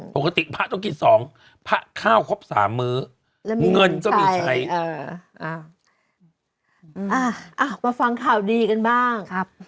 ปกติผ้าเจ้าคิด๒ผ้าข้าวครบ๓มื้อเงินก็มีใคร